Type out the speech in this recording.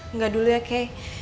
enggak dulu ya kay